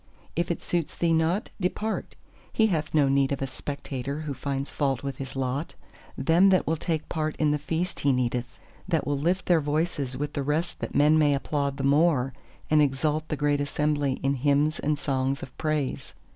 —If it suits thee not, depart! He hath no need of a spectator who finds fault with his lot! Them that will take part in the Feast he needeth—that will lift their voices with the rest that men may applaud the more, and exalt the Great Assembly in hymns and songs of praise.